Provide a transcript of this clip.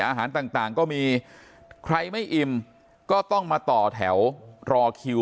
อาหารต่างก็มีใครไม่อิ่มก็ต้องมาต่อแถวรอคิว